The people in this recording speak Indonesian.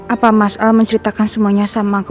apa mas al menceritakan semuanya sama aku